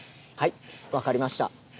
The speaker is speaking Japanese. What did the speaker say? はい分かりました。